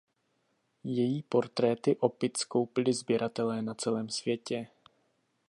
Její portréty opic koupili sběratelé na celém světě.